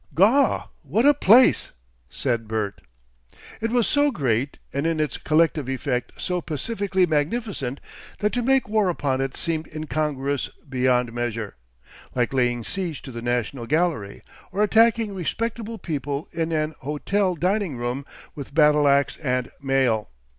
"Gaw! What a place!" said Bert. It was so great, and in its collective effect so pacifically magnificent, that to make war upon it seemed incongruous beyond measure, like laying siege to the National Gallery or attacking respectable people in an hotel dining room with battle axe and mail.